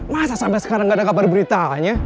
masa sampai sekarang gak ada kabar beritanya